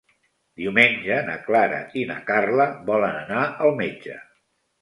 Diumenge na Clara i na Carla volen anar al metge.